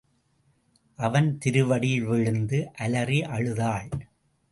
அவன் திருவடியில் விழுந்து அலறி அழுதாள்.